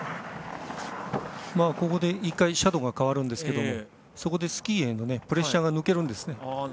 ここで、１回斜度が変わるんですがそこでスキーへのプレッシャーが抜けるんですね。